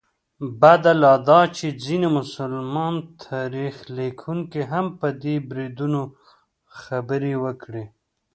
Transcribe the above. بده لا دا چې ځینو مسلمان تاریخ لیکونکو هم په دې بریدونو خبرې وکړې.